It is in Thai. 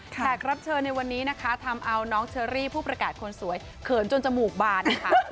แขกรับเชิญในวันนี้นะคะทำเอาน้องเชอรี่ผู้ประกาศคนสวยเขินจนจมูกบานค่ะ